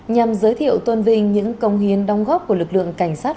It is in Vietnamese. nhằm giới thiệu tôn vinh những công hiến đóng góp của lực lượng cảnh sát